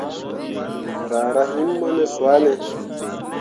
Raa rah him mo ne swane ?